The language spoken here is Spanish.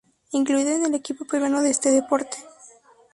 Incluido en el equipo peruano de este deporte.